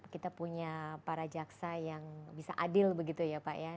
kita punya para jaksa yang bisa adil begitu ya pak ya